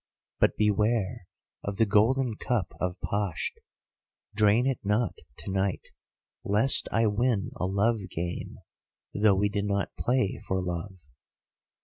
But beware of the golden Cup of Pasht! Drain it not to night, lest I win a love game, though we do not play for love!